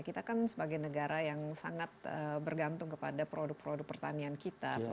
kita kan sebagai negara yang sangat bergantung kepada produk produk pertanian kita